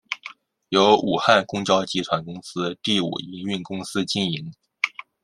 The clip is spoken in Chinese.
由武汉公交集团公司第五营运公司经营。